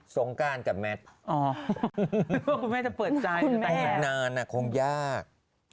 สวัสดีครับ